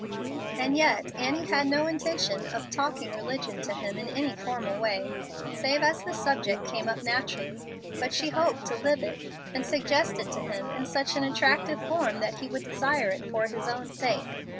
And yet Annie had no intention of "talking religion" to him in any formal way, save as the subject came up naturally; but she hoped to live it, and suggest it to him in such an attractive form that he would desire it for his own sake.